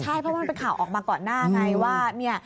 ใช่เพราะว่ามันเป็นข่าวออกมาก่อนหน้าไงว่า